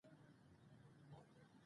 که زه نن تمرین ونه کړم، سبا به پیل کړم.